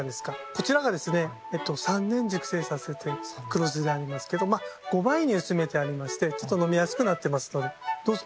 こちらがですね三年じゅくせいさせて黒酢になりますけどまあ５ばいにうすめてありましてちょっとのみやすくなってますのでどうぞ。